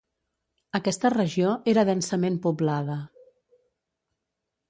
Aquesta regió era densament poblada.